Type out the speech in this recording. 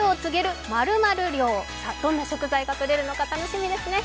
どんな食材がとれるのか楽しみですね。